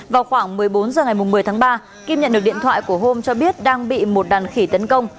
vào khoảng một mươi bốn h ngày một mươi tháng ba kim nhận được điện thoại của home cho biết đang bị một đàn khỉ tấn công